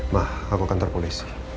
ma aku kantor polis